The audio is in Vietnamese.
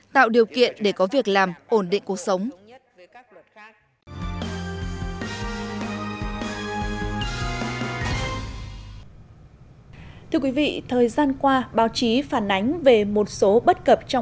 tạo điều kiện để có việc làm ổn định cuộc sống